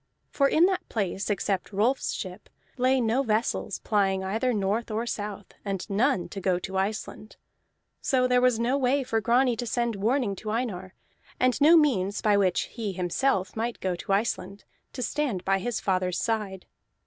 For in that place, except Rolf's ship, lay no vessels plying either north or south, and none to go to Iceland. So there was no way for Grani to send warning to Einar, and no means by which he himself might go to Iceland, to stand by his father's side.